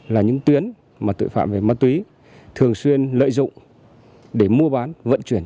là những tuyến mà tội phạm về ma túy thường xuyên lợi dụng để mua bán vận chuyển